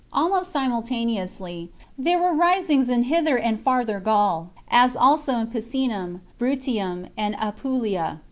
Almost simultaneously, there were risings in Hither chap. and Farther Gaul, as also in Picenum, Bruttium, and Apulia.